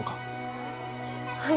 はい。